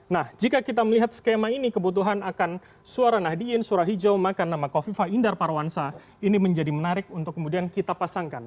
nah jika kita melihat skema ini kebutuhan akan suara nahdien surah hijau makan nama kofifa indar parawansa ini menjadi menarik untuk kemudian kita pasangkan